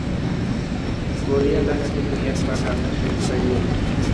বলিয়া তাহাকে দুই-এক পাক আকাশে ঘুরাইল।